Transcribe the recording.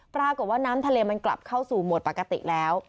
ปรากฏว่าน้ำทะเลมันกลับเข้าสู่โหมดปกติแล้ว